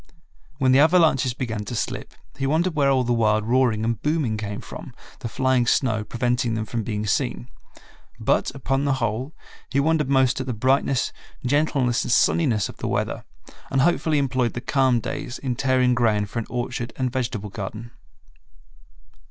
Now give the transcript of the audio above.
When the avalanches began to slip, he wondered where all the wild roaring and booming came from, the flying snow preventing them from being seen. But, upon the whole, he wondered most at the brightness, gentleness, and sunniness of the weather, and hopefully employed the calm days in tearing ground for an orchard and vegetable garden.